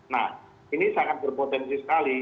nah ini sangat berpotensi sekali